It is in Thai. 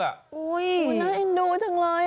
น่าให้ดูจังเลย